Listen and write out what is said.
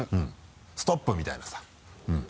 ストップみたいなさうん。